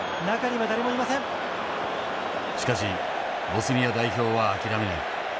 しかしボスニア代表は諦めない。